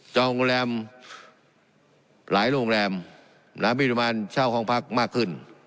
จองโรงแรมหลายโรงแรมหลายบินุมานเช่าห้องพักมากขึ้น